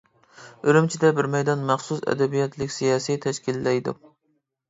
ئۈرۈمچىدە بىر مەيدان مەخسۇس ئەدەبىيات لېكسىيەسى تەشكىللەيدۇ.